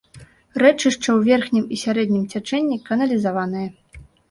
Рэчышча ў верхнім і сярэднім цячэнні каналізаванае.